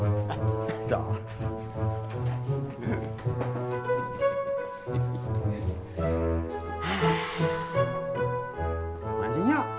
nggak mau ngajak nyok